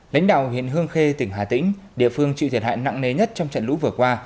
lãnh đạo huyện hương khê tỉnh hà tĩnh địa phương chịu thiệt hại nặng nề nhất trong trận lũ vừa qua